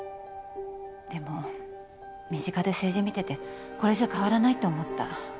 でも身近で政治見ててこれじゃ変わらないって思った。